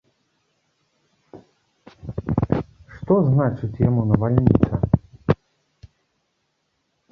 Што значыць яму навальніца?